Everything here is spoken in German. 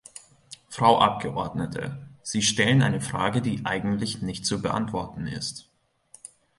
Frau Abgeordnete, Sie stellen eine Frage, die eigentlich nicht zu beantworten ist.